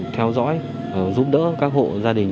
theo dõi giúp đỡ các hộ gia đình